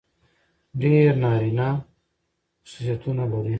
ډېر نارينه خصوصيتونه لري.